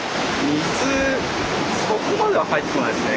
水そこまでは入ってこないですね。